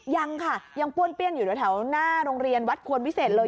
ยังค่ะยังป้วนเปี้ยนอยู่แถวหน้าโรงเรียนวัดควรวิเศษเลย